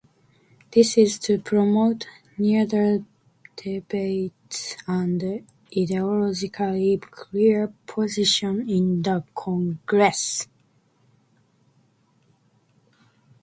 This is to promote neater debates and ideologically clear positions in the Congress.